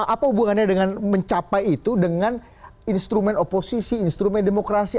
apa hubungannya dengan mencapai itu dengan instrumen oposisi instrumen demokrasi